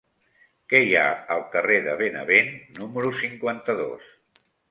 Què hi ha al carrer de Benavent número cinquanta-dos?